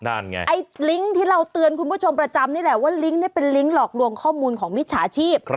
นั่นไงไอ้ลิงก์ที่เราเตือนคุณผู้ชมประจำนี่แหละว่าลิงก์เนี่ยเป็นลิงก์หลอกลวงข้อมูลของมิจฉาชีพ